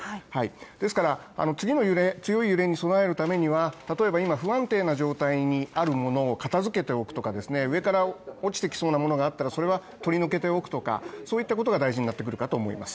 ですから、次の揺れ強い揺れに備えるためには今、不安定な状態にあるものを片づけておくとか、上から落ちてきそうなものがあったらそれは取りのけておくとか、そういったことが大事になってくるかと思います。